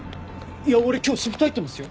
いや俺今日シフト入ってますよ。